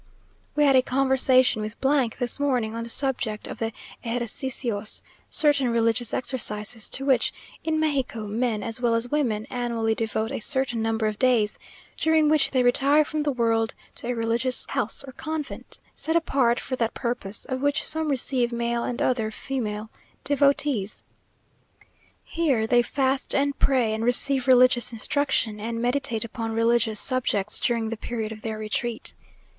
We had a conversation with this morning, on the subject of the "ejercicios," certain religious exercises, to which, in Mexico, men as well as women annually devote a certain number of days, during which they retire from the world to a religious house or convent, set apart for that purpose, of which some receive male and other female devotees. Here they fast and pray and receive religious instruction, and meditate upon religious subjects during the period of their retreat.